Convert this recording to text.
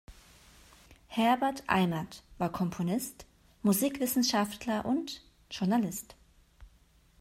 Herbert Eimert war Komponist, Musikwissenschaftler und -journalist.